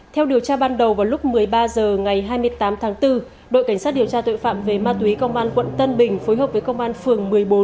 theo điều tra ban đầu vào lúc một mươi ba h ngày hai mươi tám tháng bốn đội cảnh sát điều tra tội phạm về ma túy công an quận tân bình phối hợp với công an phường một mươi bốn